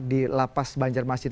di lapas banjarmasin